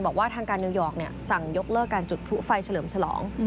บอกว่าทางการนิวยอร์กสั่งยกเลิกการจุดพลุไฟเฉลิมฉลอง